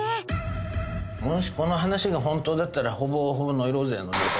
もしこの話が本当だったらほぼほぼノイローゼの状態。